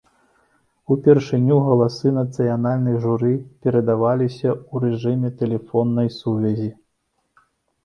Упершыню галасы нацыянальных журы перадаваліся ў рэжыме тэлефоннай сувязі.